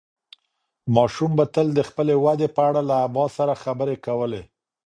ماشوم به تل د خپلې ودې په اړه له ابا سره خبرې کولې.